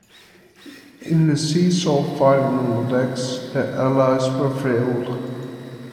In the seesaw fighting on decks, the allies prevailed.